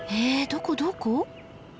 どこどこ？